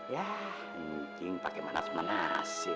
yah cing pake manas manasin